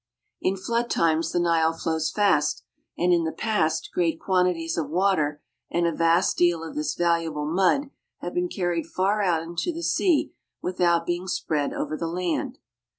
In flood times the Nile flows fast, and in the past great quantities of water and a vast deal of this valuable mud have been carried far out into the sea without being spread over the land.